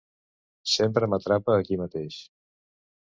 Sempre m'atrapa aquí mateix.